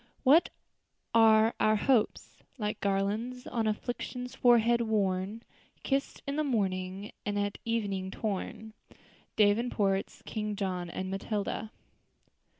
"What are our hopes? Like garlands, on afflictions's forehead worn, Kissed in the morning, and at evening torn." DAVENPORT'S _King John and Matilda.